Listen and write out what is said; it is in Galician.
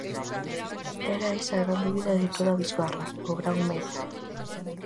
Era esa a gran dúbida de toda a bisbarra, o gran medo.